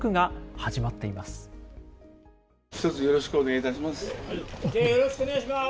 ひとつよろしくお願いいたします。